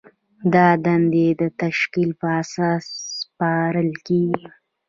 دا دندې د تشکیل په اساس سپارل کیږي.